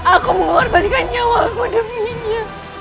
aku mengorbankan nyawaku demi nya